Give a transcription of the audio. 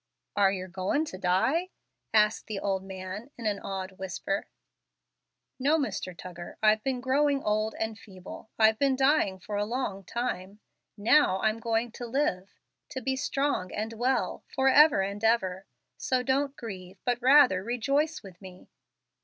"Are yer goin' to die?" asked the old man, in an awed whisper. "No, Mr. Tuggar; I've been growing old and feeble, I've been dying for a long time. Now I'm going to live to be strong and well, forever and ever. So don't grieve, but rather rejoice with me."